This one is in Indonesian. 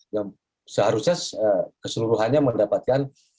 yang seharusnya keseluruhannya mendapatkan